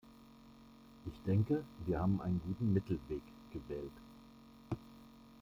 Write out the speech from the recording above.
Ich denke, wir haben einen guten Mittelweg gewählt.